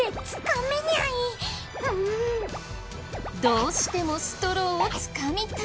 どうしてもストローをつかみたい！